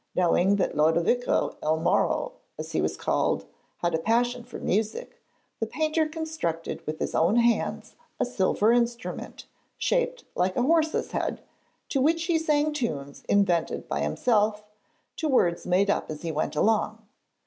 Knowing that Lodovico il Moro, as he was called had a passion for music, the painter constructed with his own hands a silver instrument, shaped like a horse's head, to which he sang tunes invented by himself, to words made up as he went along.